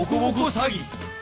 詐欺？